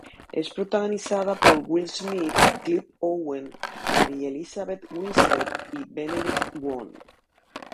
Es protagonizada por Will Smith, Clive Owen, Mary Elizabeth Winstead y Benedict Wong.